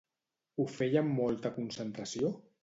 Ho feia amb molta concentració?